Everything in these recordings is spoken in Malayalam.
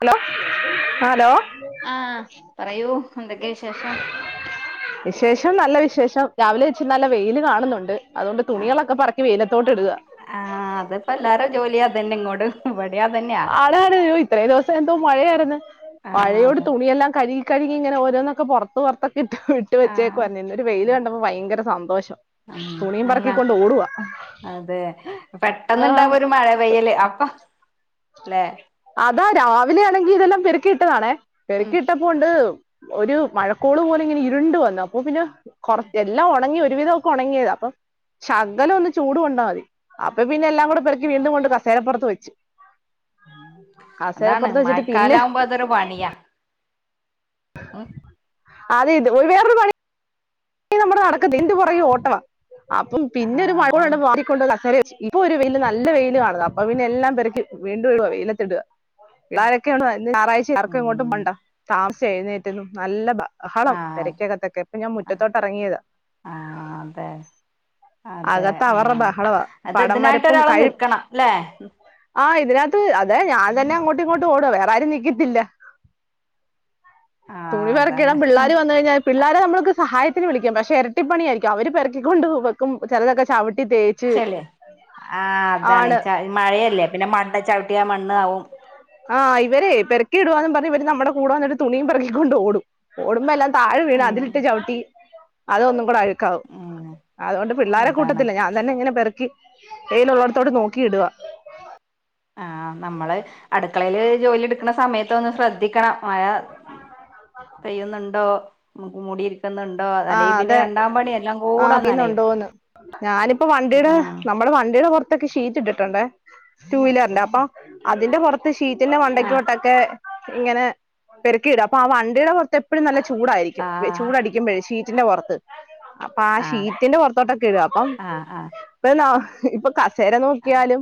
ഹലോ ഹലോ ആഹ് പറയൂ എന്തെക്കെ വിശേഷം വിശേഷം നല്ല വിശേഷം രാവിലെ വെച്ച് നല്ല വെെല് കാണുന്നുണ്ട് അതുകൊണ്ട് തുണികളൊക്കെ പറക്കി വെെലത്തോട്ട് ഇടുകാ ആഹ് അത്പ്പാെ എല്ലാരേം ജോലിയും അതെന്നെ ഇങ്ങോട് ഇവടീം അതെ ആടേട് അയ്യോ ഇത്രയും ദിവസം എന്തോ മഴയേര്ന്ന് ആഹ് മഴയോട് അത തുണിയെല്ലാം കഴ്കി കഴ്കി ഇങ്ങനെ ഓരോന്നൊക്കെ പാെർത്ത് പാെർത്തൊക്കെ ഇട്ട് വിട്ട് ആഹ് വെച്ചേക്കുവായ്ര്ന്ന് ഇന്നൊരു വെെല് കണ്ടപ്പാെ ഭയങ്കര സന്തോഷം ഉം തുണിയും അല്ല പറക്കിക്കൊണ്ട് ഓടുവാ അതെ പെട്ടെന്ന് ഇണ്ടാവും ഒരു മഴ പെയ്യല് അപ്പ ലേ അതാ രാവിലെയാണെങ്കി ഇതെല്ലാം പെർക്കി ഇട്ടതാണേ ഉം പെർക്കി ഇട്ടപ്പൊ ഉണ്ട് ഒരു മഴക്കോള് പോലെ ഇങ്ങനെ ഇരുണ്ട് വന്ന് അപ്പൊ പിന്നെ കാെറച് എല്ലാം ഒണങ്ങി ഒരുവിധം ഒക്കെ ഒണങ്ങിയതാ അപ്പൊ ശകലം ഒന്ന് ചൂട് കൊണ്ടാ മതി അപ്പൊ പിന്നെ എല്ലാം കൂടെ പെറ്ക്കി വീണ്ടും കൊണ്ട് കസേരപ്പാെറത്ത് വെച്ച് അതാണ് കസേരപ്പുറത്ത് വെച്ചിട്ട് പിന്നെ മഴക്കാലാവുമ്പൊ അതൊരു പണിയാ ഉം അതെ ഇത് ഒരു വേറൊരു പണി ഇത് നമ്മക്ക് നടക്കത്തില്ല ഇതിന്റ പാെറകെ ഓട്ടവാ അപ്പം പിന്നെ ആഹ് ഒരു മഴക്കോള് അതാണ് കണ്ടപ്പൊ വാരി കൊണ്ടുവന്ന് കസേരെ വെച്ച് ഇപ്പൊ ഒരു വെെല്ന് നല്ല വെെല് കാൺണത് അപ്പൊ പിന്നെ എല്ലാം പെർക്കി വീണ്ടും ഇടുവാ വെെലത്തിടാ പിള്ളാരൊക്കെയുണ്ട് ഇന്ന് ഞായറാഴ്ചയെല്ലേ ആർക്കും എങ്ങോട്ടും ഉം പോണ്ട താമസിച്ചാ എഴുന്നേറ്റതും നല്ല ബ ബഹളം ആഹ് പെരക്ക്കത്തൊക്കെ ഇപ്പൊ ഞാൻ മുറ്റത്തോട്ട് എറങ്ങിയതാ ആഹ് അതെ അതെ അകത്തവർറെ ആഹ് ബഹളവാ അത് പടം ഇതിനായിട്ട് വരപ്പും ഒരാള് കഴിപ് നിക്കണം ല്ലേ ആഹ് ഇതിനകത്ത് അതെ ഞാൻ തന്നെ അങ്ങോട്ടും ഇങ്ങോട്ടും ഓടുവാ വേറെ ആരും നിഗ്ഗത്തില്ല ആഹ് തുണി അതാണ് പെറക്കിടാൻ പിള്ളേര് വന്ന് കഴിഞ്ഞാ പിള്ളേരെ നമ്മൾക്ക് സഹായത്തിന് വിളിക്കാം പക്ഷെ എരട്ടിപ്പണിയായിരിക്കും അവര് പെറക്കിക്കൊണ്ട് വെക്കും ചെലതെക്കെ ചവ്ട്ടി തേ ച്ചെല്ലേ ആഹ് അതാണ് ച മഴയല്ലേ പിന്നെ മണ്ണ് ചവിട്ടിയാ മണ്ണ് ആവും ആഹ് ഇവരെ പെറ്ക്കി ഇടുവാന്നും പർണ് ഇവര് നമ്മടെ കൂടെ വന്ന്ട്ട് തുണിയും പെറക്കിക്കൊണ്ട് ഓടും ഓടുമ്പാെ എല്ലാം താഴെ വീണ് ഉം അതിലിട്ട് ചവിട്ടി അതൊന്നും കൂടെ അഴ് ക്കാവും ഉം അതാേണ്ട് പിള്ളാരെ അതാണ് കൂട്ടത്തില്ല ഞാൻ തന്നെ ഇങ്ങനെ പെറ്ക്കി വെെലുള്ളോട്ത്തോട് നോക്കി ഇടുവാ ആഹ് നമ്മള് അട്ക്കളേല് ജോലി ഇട്ക്ക്ണ സമയത്ത് ഒന്ന് ശ്രദ്ധിക്കണം മഴ പെയ്യ്ന്ന്ണ്ടോ മുമൂടി ഇരിക്ക്ന്ന് ആഹ് ആ അല്ലെങ്കിൽ പിന്നെ അതെ രണ്ടാം പണി എല്ലാം ആ കൂട നനയും. പിന്നുണ്ടോന്ന് ഞാനിപ്പോ വണ്ടീടെ ഉം നമ്മുടെ വണ്ടിടെ പോർത് തൊക്കെ ഷീറ്റ് ഇട്ടിട്ടുണ്ട് ടു വീലറിന്റെ അപ്പൊ അതിന്റെ പുറത്ത് ഷീറ്റിന്റെ മണ്ടയ്ക്ക് ആഹ് വട്ട ഒക്കെ ഇങ്ങനെ പെറുക്കിയിടും അപ്പൊ ആഹ് വണ്ടിയുടെ പുറത്ത് എപ്പോഴും നല്ല ചൂടായിരിക്കും. ആഹ് ചൂടടി ക്കുമ്പ ഷീറ്റിന്റെ പുറത്ത്. അപ്പൊ ആ ആഹ് ഷീറ്റിന്റെ പുറത്തോട്ടൊക്കെ ഇടുക, അപ്പൊ ആഹ് ആഹ് ല, ഇപ്പൊ കസേര നോക്കിയാലും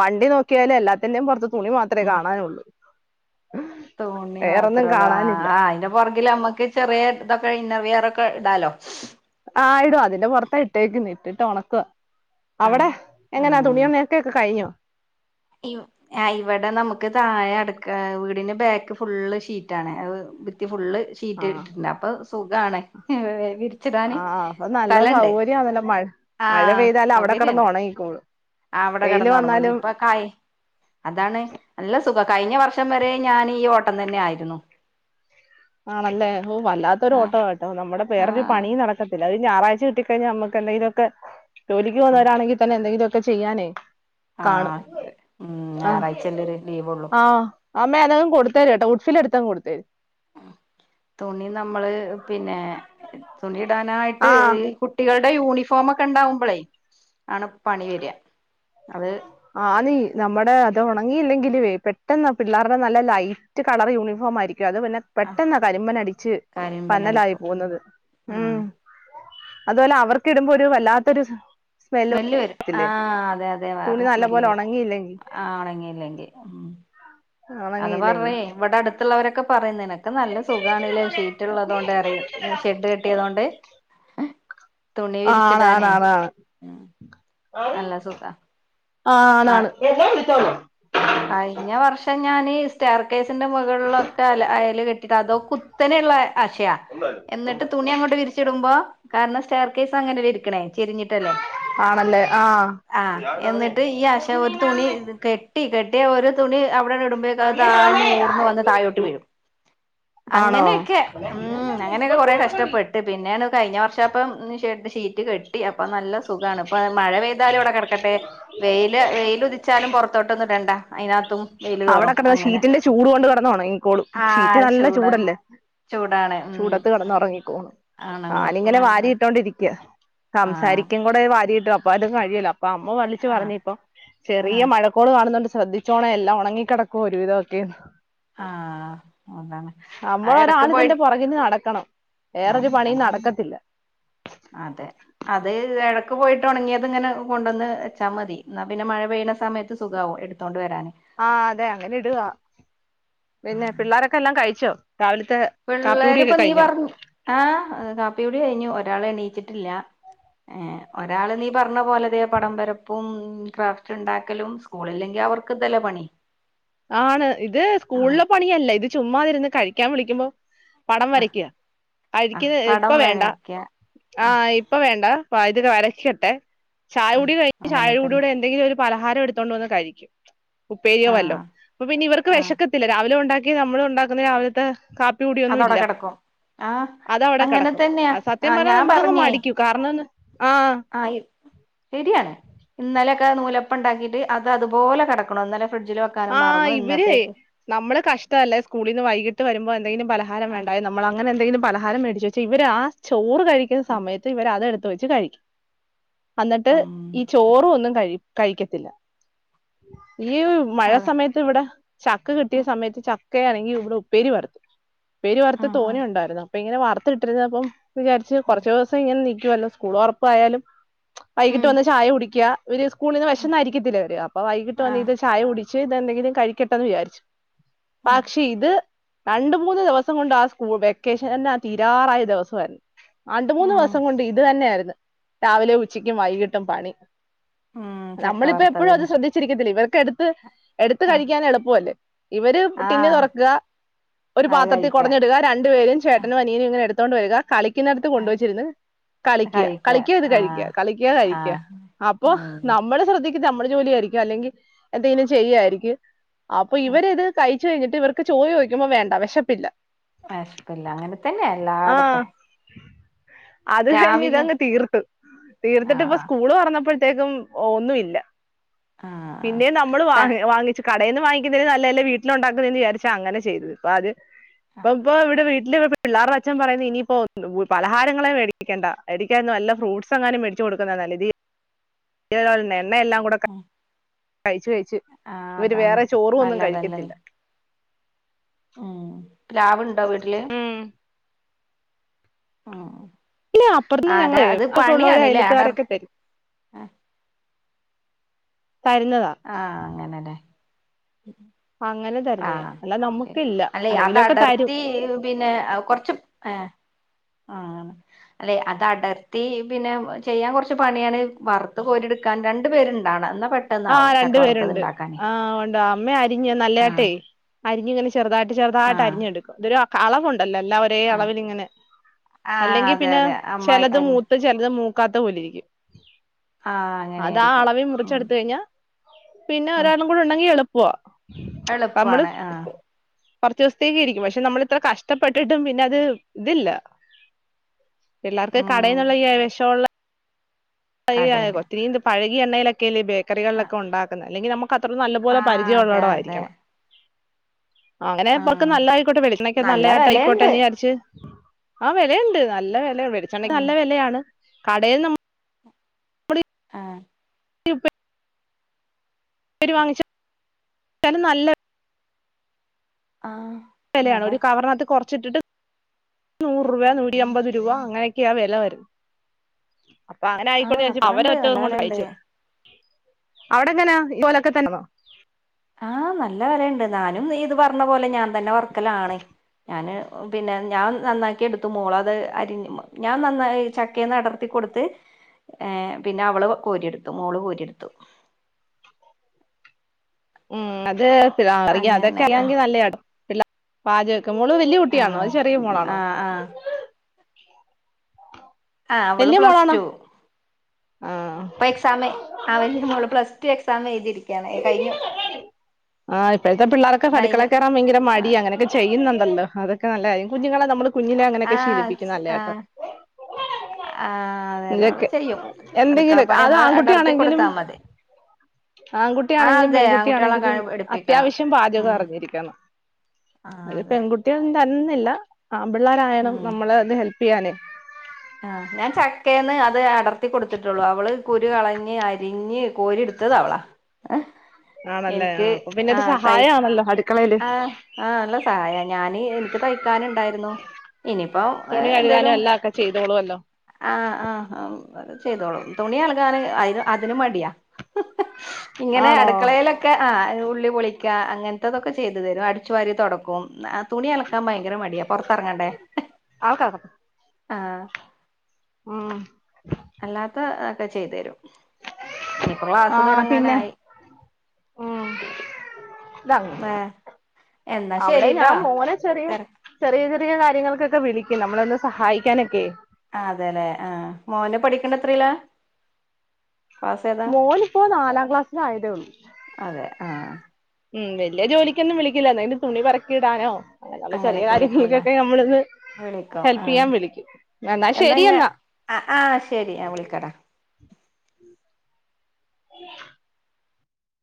വണ്ടി നോക്കി ക്കിയാലും എല്ലാത്തിന്റെയും പുറത്ത് തുണി മാത്രേ ഉം കാണാനുള്ളൂ. തുണി വേറൊന്നും മാത്രല്ലേ? കാണാനില്ല ആഹ് അയ് പുറകിൽ നമ്മക്ക് ചെറിയ ഇതൊക്കെ ഇന്നർ വിയറൊക്കെ ഇടാലോ? ആഹ് യിടാം അതിന്റെ പുറത് ഇട്ടേക്കുന്നെ ഇട്ടിട്ട് ഉണക്കുക. ആഹ് അവിടെ എങ്ങനാ തുണിയുനക്കൽ ഒക്കെ കഴിഞ്ഞോ? ഇം ആഹ് ഇവിടെ നമുക്ക് താഴെ അടക്ക വീടിന്റെ ബാക്ക് ഫുള്ള് ഷീറ്റ് ആണ്. ബി ത്തി ഫുള്ള്. ശീറ്റ് ആഹ് ഇട്ടിട്ടുണ്ട്, അപ്പൊ സുഖാണ് വിരിച്ചിടാന് ആഹ് അപ്പൊ നല്ല സ്ഥലണ്ട്. സൗകര്യാണല്ലോ മഴ മഴ ആഹ് പെയ്താല് അവിടെ കിടന്ന് സൗകര്യണ്ട്. ഉണങ്ങിക്കോളും അവിടെ വെയില് കെടന് ഉണങ്ങും. വന്നാലും നിപ്പ ക്കായി, അതാണ്. നല്ല സുഖം കഴിഞ്ഞ വർഷം വരെ ഞാൻ ഈ ഓട്ടം തന്നെ ആയിരുന്നു. ആണല്ലേ? ഓ വല്ലാത്തൊരു ആഹ് ഓട്ടാ കേട്ടോ, നമ്മുടെ വേറൊരു ആഹ് പണി നടക്ക ത്തില്ല. അത് ഞായറാഴ് കിട്ടി കഴിഞ്ഞാ നമുക്ക് എന്തങ്കിലു മൊക്കെ ജോലിക്ക് പോകുന്ന ആഹ് വരാണെങ്കി തന്നെ എന്തെങ്കിലു ഒക്കെ ചെയ്യാനേ കാണും. ആഹ് ഉം ആഹ് ഞായറാഴ്ചല്ലേ ഒരു ലീവൊള്ളു ആഹ് അമ്മേ അതങ് കൊടുത്തേര് കേട്ടോ? ഉഡ്ഫിൽ എടുത്തങ് കൊടുത്തേര്. തുണി നമ്മള് പിന്നെ, തുണി ഇടാനായിട്ട് ആഹ് ഈ കുട്ടി കുട്ടികളുടെ യൂണിഫോമൊക്കെ ഉണ്ടാവുമ്പോൾ ആണ് പണി വര. അത് ആഹ്, നീ നമ്മുടെ അത് ഉണങ്ങിയില്ലെങ്കിലേ പെട്ടെന്ന് പിള്ളേരുടെ നല്ല ലൈറ്റ്- ലൈറ്റ് കളർ യൂണിഫോം ആയിരിക്കും അത് പിന്നെ ആ പെട്ടെന്ന കരിമ്പൻ അടിച്ച് കരിമ്പന പന്നലായി അടിക്കും പോകുന്നത്. ഉം അതുപോലെ അവർക് ഇടുമ്പോ, ഒരു വല്ലാത്തൊരു സ്മെല്ല് വരും. ആഹ് അതെ, അതെ തുണി നല്ല പോലെ ഉണങ്ങിയില്ലെങ്കിൽ. ആഹ്, ഉണങ്ങി ലെങ്കി. ഉം, അത് ഉണങ്ങിയില്ലെങ്കി പറയും ഇവിടെ അടുത്തുള്ളവരൊക്കെ പറയും നിനക്ക നിനക്ക് നല്ല സുഖണ ല്ലേ? ഷീറ്റ് ഉള്ളത കൊണ്ട് പറയും ഷെഡ് കെട്ടിയതൊണ്ട്. ആണ്, ആണ് ണാ ണ ണ്. ആഹ്, നല്ല സുഖാ ആ ആണാണ്. എന്നെ വിളിച്ചോ ന്ന്. കഴിഞ്ഞ വർഷം ഞാന് സ്റ്റർക്കേസിന്റെ മുകളിലൊക്കെ ല്ല അയല് കെട്ടിട്ട്, അതോ കുത്തനെയുള്ള ആശയാ- എന്നിട്ട് തുണി അങ്ങോട്ട് വിരിച്ചിടുമ്പോ? കാരണം സ്റ്റെയർ കേസ് അങ്ങനെയല്ലേ ഇരിക്കണേ, ചെരിഞ്ഞിട്ടല്ലേ? ആണല്ലേ ആ ആഹ്, എന്നിട്ട് ഈ ആശ ഒരു തുണി കെട്ടി കെട്ടി കെട്ടി ഒരു തുണി അവിടെ ഇടുമ്പോയേക്ക്‌, താഴ്ന്ന് ഊർന്ന് വന്ന് താഴോട്ട് വീഴും. ആണോ അങ്ങനെയൊക്കെ, ഉം അങ്ങനെയൊക്കെ കൊറെ കഷ്ടപ്പെട്ടു. ട്ട്, പിന്നാണ് കഴിഞ്ഞ വർഷം അപ്പം ഷെഡ് ഷീ ഷീറ്റ് കെട്ടി. അപ്പൊ നല്ല സുഖമാണ്. ഇപ്പൊ മഴ പെയ്താലും അവിടെ കിടക്കട്ടെ, വെയിൽ വെയിലുതിച്ചാലും പുറത്ത്. തൊട്ടന്ന് ഇടെണ്ടാ. അവിടെ കിടന്ന ഷീറ്റിന്റെ ചൂട് കൊണ്ട് കിടന്നുണങ്ങികോളും. ഷീറ്റ് ആഹ് നല്ല ചൂടാണ് ചൂടല്ലേ? ചൂടാണ് ഉം ചൂടത്ത് കിടന്നുറങ്ങിക്കോളും. ഞാനി ഉണങ്ങും ങ്ങനെ നല്ല വാരി ഇട്ടോണ്ടിരിക്ക. ആഹ് സംസാരിക്കൻ കൂടെ വാരി ഇടും. അപ്പൊ അതും കഴിയല്ലോ? അപ്പൊ അമ്മ വലിച്ചു ആഹ് പറഞ്ഞ ഇപ്പൊ ചെറിയ ആഹ് മഴക്കോള് കാണുന്നുണ്ട് ശ്രദ്ധിച്ചോണേ എല്ലാം ഉണങ്ങിക്കിടക്കുവ ഒരു വിദോക്കെ ആഹ് അതാണ് ആ നമ്മള ഇടക്ക് ഒരാൾ പോയി ഇതിന്റെ പുറകിന്ന് നടക്കണം വേറൊരു നടക്കണം പണിയും നടക്കത്തില്ല അതെ അത് ഇടക്ക് പോയിട്ട് ഓണങ്ങിയത് ഇങ്ങനെ കൊണ്ടുവന്ന് വെച്ചാൽ മതി എന്നാ പിന്നെ മഴ പെയ്യണ സമയത്ത് സുഖവും എടു എടുത്തോണ്ടുവരാന് ആഹ അതെ അങ്ങനെ ഇടുക പിന്നെ പിള്ളോരൊക്കെ എല്ലാം കഴിച്ചോ രാവിലത്തെ കാപ്പി കൂടിയൊക്കെ കഴിഞ്ഞോ ആഹ കാപ്പി കൂടി കഴിഞ്ഞു ഒരാളെ എണീയിച്ചിട്ടില്ല ഏഹ ഒരാൾ നീ പറഞ്ഞ പോലെതെ പടം വരപ്പും ക്രാഫ്റ്റ് ഇണ്ടാക്കലും സ്കൂളില്ലെങ്കിൽ അവർക്ക് ഇതല്ലേ പണി ആണ് ഇത് ആഹ് സ്കൂളിലെ പണിയല്ല ഇത് ചുമ്മായിരുന്ന് കഴിക്കാൻ വിളിക്കുമ്പോ പടം ആഹ് വരയ്ക്ക കഴക്ക് ആഹ് ഇപ്പൊ പടം വേണ്ട വരക്ക ആഹ് ആഈ ഇപ്പൊ വേണ്ട വ വരക്കിക്കട്ടെ ചായ ആഹ് കുടി കഴിഞ് അങ്ങനെ തന്നെ ചായകുടിയടെ എന്തെങ്കിലും ഒരു പലഹാരം എടുത്തൊണ്ട് വന്ന് കഴിക്കും ഉപ്പേരിയോ വല്ലോ ആഹ് അപ്പോ പിന്നെ ഇവർക്ക് വേഷ ആഹ് ക്കത്തില്ല രാവിലെ ഉണ്ടാക്കി നമ്മ ഉണ്ടാക്കുന്ന രാവിലത്തെ കാപ്പ അതോട കേടക്കും ആഹ് അതവിടെ കിടക്കും അങ്ങനെതന്നെയാ അത് സത്യം ആഹ് പറഞ്ഞാൽ ഞാൻ നമുക്കങ്ങ് പറഞ്ഞേ മടിക്കും കാരണംന്ന് ആഹ് ആഈ ശരിയാണ് ഇന്നലെക്കെ നൂലപ്പണ്ടാക്കീട്ട് അത് അതുപോലെ കടക്ക്‌ണു ഇന്നലെ ഫ്രിഡ്ജി ആഹ് ഇവരെയ്. നമ്മള് കഷ്ടല്ല സ്കൂളിൽന്ന് വൈകിട്ട് വരുമ്പോ എന്തെങ്കിലും പലഹാരം വേണ്ടായോ നമ്മൾ അങ്ങനെന്തെങ്കിലും പലഹാരം മേടിച്ചെച്ച ഇവരാ ചോറ് കഴിക്കുന്ന സമയത്ത് ഇവര് അതെടുത്തെച്ചു കഴിക്കും. അന്നിട്ട് ഈ ചോറൊന്നും കഴിക്കത്തില്ല ഈയ്. ആ അതെ സമയത്ത് ഇവിടെ ചക്ക കിട്ടിയ ഉം സമയത്ത് ചക്കയാണെങ്കി ഇവിടെ ഉപ്പേരി വർത്തു. ഉപ്പേരിവർത്തെ തോനെ ഉണ്ടായിരുന്നു അപ്പൊ ഇങ്ങനെ വാർത്ത് ഇട്ടിരുന്നപ്പോ. വിചാരിച്ച് കുറച്ച് ഉം ദിവസം ഇങ്ങനെ നീക്കുവല്ലോ സ്കൂൾ ഉറപ്പയാലും വൈകിട്ട് ഉം ഉം വന്ന് ചായ കുടിക്ക. ഇവർ സ്കൂളിന്ന് ഉം വിശന്നായിരിക്കത്തില്ലെ വര അപ്പൊ വൈകിട്ട് വന്ന് ആഹ് ഇത് ചായ കുടിച്ച് ഇതെന്തെങ്കിലും കഴിക്കട്ടന്ന് വിചാരിച്ചു. ഉം പക്ഷെ ഇത് രണ്ട് മൂന്ന് ദിവസം കൊണ്ട് ആ സ്കൂൾ വെക്കേഷൻ തന്നെ ആ തീരാറായ ദിവശയിരുന്ന്. രണ്ട് മൂന്ന് ഉം ദിവസം കൊണ്ട് ഇത് തന്നെയായിരുന്ന് രാവിലെ ഉച്ചക്കും വൈകിട്ടും പണി. ഉം ചക്ക നമ്മളിപ്പെപ്പോഴും അത് വറുത്തതല്ലേ ശ്രദ്ധിച്ചിരിക്കത്തില്ല ഇവർക്ക് എടുത്ത് എടുത്ത് ആഹ് കഴിക്കാൻ എളുപ്പല്ലേ. ഇവര് ടിന്ന് ആഹ് തുറക്ക ഒരു അത് പാത്രത്തിൽ കഴിക്കാ കുടഞ്ഞിടുക രണ്ടു പേരും ചേട് ട്ടനും അനിയനയും ഇങ്ങനെ എടുത്തോണ്ട് വരിക കളിക്കുന്നടുത്ത് കൊണ്ടുവച്ചിരുന്ന്. കളിക്ക കഴിക്കാ കളിക്ക ഇത് കഴിക്ക ആഹ് കളിക്ക കഴിക്ക ആഹ് അപ്പൊ ഉം നമ്മള് ശ്രദ്ധി ക്കുന്നത് നമ്മടെ ജോലിയായിരിക്കും അല്ലെങ്കിൽ എന്തെങ്കിലും ചെയ്യായിരിക്കും അപ്പൊ ഇവര്ത് കഴ വച്ച് കഴിഞ്ഞട്ട് ഇവർക്ക് ചോർ ചോയിക്കുമ്പോ വേണ്ട വിശപ്പില്ല. വേശ്പ്പില്ല അങ്ങനെ തന്നെ ആ എല്ലാട്ത്തും. അത് കഴിഞ്ഞ് ഇതങ്ങ് തീർത്ത് തീർത്തിട്ട് ഇപ്പ ആഹ് സ്കൂള് തുറന്നപ്പോ ത്തേക്കും ഒന്നുവില്ല ആഹ് പിന്നെ നമ്മൾ ച വാങ്ങ വാങ്ങിച്ച് കടയിൽന്ന് വാങ്ങിക്കുന്നേലും നല്ലല്ലേ വീട്ടില് ഉണ്ടാക്കുന്നേന്ന് വിചാരിച്ച് അങ്ങനെ ചെയ്തത് ഇപ്പത്. ഇപ്പ ഇപ്പ ഇവിടെ വിട്ടിൽ [unintelligible] പിള്ളേരുടെ അച്ഛം പറയുന്നത് ഇനിപ്പോ പലഹാരങ്ങളെ മേടിക്കണ്ട മേടിക്കായി നല്ല ഫ്രൂട്ട്സ് എങ്ങാനും മേടിച്ച് കൊടുക്കുന്നതാനല്ലത് ഇത് ഈ [unintelligible] എന്ന എല്ലാകൂടെ കഴിച്ച് കഴച്ച് ആഹ് ഇവര് അതാണ് വേറെ ചോറും ഒന്നും കഴിക്കത്തില്ല. നല്ലതല്ലല്ലോ ഉം പ്ലാവ് ഇണ്ടോ വീട്ടില്? ഉം. ഉം ഇല്ല അപ്പുറന്ന് ആരാ ഞങ്ങളെ അത് ഒക്കെ ഉള്ളവരെ പണിയാണ്ലേ അടർ അയലത്തുകാരൊക്കെ തരും തരുന്നതാ. ആഹ് അങ്ങനെലേ. അങ്ങനെ തരുന്നയാ ആഹ് അല്ല ശരി നമ്മുക്കില്ല അല്ലെ അത് ആരെങ്കിലുമൊക്കെ തരും അടർത്തീ പിന്നെ കുറച്ചും ഏഹ് ആഹ്. അല്ലെ അത് അടർത്തി പിന്നെ ചെയ്യാൻ കുറച്ച് പണിയാണ് വറുത്ത് കോരിടുക്കാൻ രണ്ടു പേരുണ്ടാവണം എന്ന ആ പെട്ടെന്നാവും. ചക്ക രണ്ടു വറുത്തത് പേരുണ്ട് ഉണ്ടാക്കാന് ആഹ് ഒണ്ട് ആ അമ്മേ അരിഞ്ഞ് ആഹ് നല്ലതട്ടേ അരിഞ്ഞ ഇങ്ങനെ ചെറുതായിട്ട് ചെറുതട്ട് ആഹ് അരിഞ്ഞെടുക്കും അതൊരു അളവുണ്ടല്ലോ എല്ലാവ ഇതേ ആഹ് അളവിലിങ്ങനെ ആഹ് അല്ലെങ്കി അതെ പിന്നെ അതെ അമ്മായി ചെലത് അനി മൂത്ത് ചെലത് മൂക്കാത്ത പോലെ ഇരിക്കും. ആഹ് അതാ അങ്ങനെയായിരിക്കും അളവി ഉം മുറിച്ചെടു പിന്ന പിന്നെ ആഹ് ഒരാളും കൂടെ ഉണ്ടെങ്കി എളുപ്പ നമ്മള് എളുപ്പാണ് ആഹ് കൊറച്ച് ദിവസത്തേക്ക് ഇരിക്കും പക്ഷെ നമ്മൾ ഇത്ര കഷ്ടപ്പെട്ടിട്ടും പിന്നെ അത് ഇതില്ല. പിള്ളാർക്ക് ഉം കടയിന്നുള്ള ഈ വെ ഷവൊള്ളെ [unintelligible] കടേല് ഒത്തിരിത് പഴകിയ എണ്ണയിലൊക്കെ അല്ലേ ആഹ് ബേക്കറികളൊക്കെ ഒണ്ടാക്കുന്നെ അല്ലെങ്കിൽ നമ്മ അത്ര നല്ല പോലെ അതെ അതെ പരിചയള്ളടാവായിരിക്കണം. അങ്ങനെപ്പൊക്കെ ആഹ് നല്ലായിക്കോട്ടെ വെളിച്ചെണ്ണയൊക്കെ നല്ല ആട്ട ആയിക്കോട്ടെന്ന് വിചാരിച്ച് ആഹ് വെലയുണ്ട് നല്ല വിലയണ്ട് വെടിച്ചെണക്ക് ഉം നല്ല വെലയാണ് കടയിന്ന് നമ്മ ആഹ് യുപെ ഇവര് വാങ്ങിച്ച് [unintelligible] നല്ല ആഹ് വെലയാണ് നല്ല ഒരു കവറിനാത്ത് കൊറച്ചിട്ടിട്ട് നൂറ് രൂപ നൂറ്റി അമ്പത് രൂപ അങ്ങനെക്കെയാ വെല വര്ന്നത് അപ്പൊ അങ്ങനെ ആയിക്കോണ്ട് ആഹ് രിച്ച് അവര അത്രണ്ട് ഒറ്റ നല്ല കൊണ്ട് വെലണ്ട് കഴിച്ച്- അവടെ ങ്ങനാ ഇത് പോലൊക്കെ തന്നാന്നോ? ആഹ് നല്ല വെലയ്ണ്ട് ഞാനും നീ ഇത് പർഞ്ഞ പോലെ ഞാതന്നെ വർക്കലാണ്. ഞാന് പിന്നെ ഞാൻ നന്നാക്കി എട്ത്തു മോളത് അരിഞ്ഞു മ ഞാ നന്നായ് ചക്കേന്ന് അടർത്തി കൊട്ത്ത്- ഏഹ് പിന്നെ അവള് കോരി എട്ത്തു മോള് കോരി എട്ത്തു. ഉം അത് [unintelligible] അതൊക്കെ അങ്ങനെ അല്ലെങ്കി നല്ല [unintelligible] പാചോക്കെ മോള് വെല്ല്യേ കുട്ടിയാണോ ആഹ് ചെറ്യേ മോളാണോ? ആഹ് ആഹ്. ആഹ് അവള് വെല്ല്യേ പ്ലസ് മോളാണ് ആഹ്. എക്സാം അവന് മോള് പ്ലസ് റ്റു എക്സാം എഴ്തിരിക്കാണ് കഴിഞ്ഞു. ആഹ് ഇപ്പഴത്തെ പിള്ളാർക്ക് അട്ക്കള കഴിഞ്ഞു കേറാൻ ഭയങ്കര മടിയാ അങ്ങനൊക്കെ ചെയ്യുന്നുണ്ടല്ലോ അതൊക്കെ നല്ല കാര്യം. കുഞ്ഞുങ്ങളെ നമ്മൾ കുഞ്ഞിലെ അങ്ങനെക്കെ ആഹ് ശീലിപ്പിക്കുന്നെ നല്ലെട്ടോ. ആഹ് [inaudible] ആഹ് അതെ അതെ അവള് ചെയ്യും. അട്ക്കള എന്തെങ്കിലും പണി അത് മ്മള് അടർത്തി ആൺകുട്ടിയാണെങ്കിലും കൊട്ത്താ മതി. ആഹ് ആൺകുട്ടിയാണെങ്കിലും അതെ ആങ്കുട്ട്യാളെ ക പെൺകുട്ടിയാണെങ്കിലും പണി പഠിപ്പിക്കണം അത്യാവശ്യം പാചകം ഉം. അറിഞ്ഞിരിക്കണം ആഹ് അതെ. [unintelligible] തന്നില്ല ആമ്പിള്ളാരായാലും നമ്മളെ അത് ഹെല്പ് ചെയ്യാനേ ആഹ് ഞാൻ ചക്കേന്ന് അത് അടർത്തി കൊട്ത്തിട്ടൊള്ളൂ. അവള് കുരു കളഞ്ഞ് അരിഞ്ഞ് കോരി ഇട്ത്തത് അവളാ. എനിക്ക് ആഹ് തയ് അതല്ല അടുക്കളേല്. ആ ആ നല്ല സഹായാ ഞാന് എനിക്ക് തയ്ക്കാനുണ്ടായിരുന്നു. ഇനിപ്പ തുണി കഴുകാനും എന്തേലും എല്ലാം ഒക്കെ ചെയ്തോളുവല്ലോ ആ ആ അവള് ചെയ്തോളും തുണി അലക്കാനൊക്കെ അയ്ന് അതിനുമടിയാ. ഇങ്ങനെ ആണോ അടുക്കളേലൊക്കെ ആ ഉള്ളി പൊളിക്കാ അങ്ങൻതതൊക്കെ ചെ ചെയ്തു തരും അടിച്ചു വാരി തൊടക്കും തുണിയലക്കാൻ ഭയങ്കര മടിയാ പൊറത്തെറങ്ങണ്ടേ ആൾക്കാക്ക ആ ആഹ് അല്ലാത്ത ഒക്കെ ചെയ്തുതരും. ആ പിന്നെ ആ വാങ്ങി വേ എന്നാ അവടേം ശരിട്ടോ ഞാൻ മോനെ ചെറിയെ തെര ചെറിയ ചെറിയ കാര്യങ്ങൾക്കൊക്കെ വിളിക്കും നമ്മളെയൊന്ന് സഹായിക്കാനെക്കെ. അതെലേ ആ മോന് പഠിക്കണത്രേലാ. മോനിപ്പൊ നാലാം ക്ലാസ്സിലായതെയൊള്ളു. അതെ ആഹ് ഉം വെല്ല്യ ജോലിക്കൊന്നും വിളിക്കുല്ലാന്നെ എന്ന് തുണി പറക്കിയിടാനോ അങ്ങനൊള്ള ചെറിയ അങ്ങനെയൊക്കെ വിളിക്കൂല്ലേ കാര്യങ്ങൾക്കൊക്കെ നമ്മളൊന്ന് വിളിക്കും ആഹ് ഹെൽപ്പെയ്യാൻ വിളിക്കും എന്നാ ശെരി എന്നാ ആ ആ ശെരി ഞാൻ വിളിക്കാടാ [inaudible]